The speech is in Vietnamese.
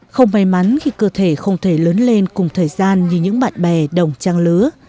không may mắn khi cơ thể không thể lớn lên cùng thời gian như những bạn bè đồng trang lứa